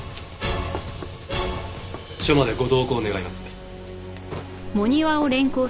署までご同行願います。